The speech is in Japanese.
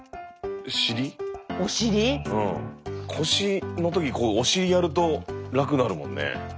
腰の時にこうお尻やると楽になるもんね。